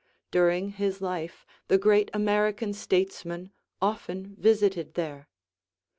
During his life, the great American statesman often visited there.